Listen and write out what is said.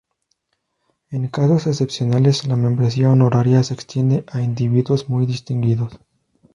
En casos excepcionales, la membresía honoraria se extiende a individuos muy distinguidos.